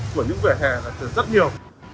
của những vỉa hè là rất nhiều